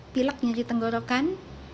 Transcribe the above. pilak nyuri tenggorokan